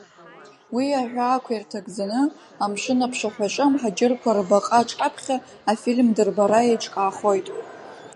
Уи аҳәаақәа ирҭагӡаны, амшын аԥшаҳәаҿы, амҳаџьырқәа рбаҟа аҿаԥхьа, афильм дырбара еиҿкаахоит.